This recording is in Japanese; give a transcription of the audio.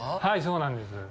はい、そうなんです。